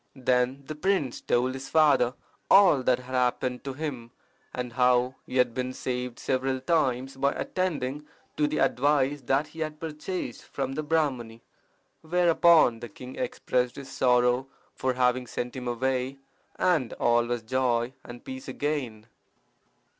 Then the prince told his father all that had happened to him, and how he had been saved several times by attending to the advice that he had purchased from the Brahmani. Whereupon the king expressed his sorrow for having sent him away, and all was joy and peace again.